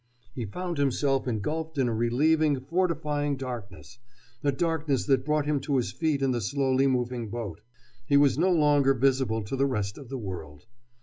He found himself engulfed in a relieving, fortifying darkness, a darkness that brought him to his feet in the slowly moving boat. He was no longer visible to the rest of the world.